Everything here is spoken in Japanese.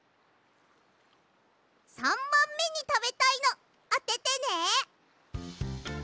３ばんめにたべたいのあててね！